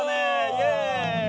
イエーイ！